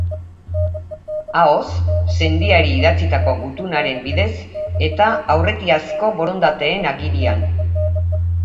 Ahoz, sendiari idatzitako gutunaren bidez eta aurretiazko borontateen agirian.